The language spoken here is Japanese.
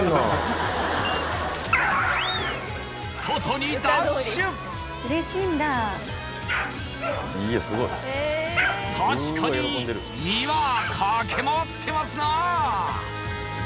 外に確かに庭かけ回ってますなあ